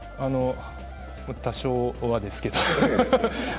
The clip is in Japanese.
多少はですけど。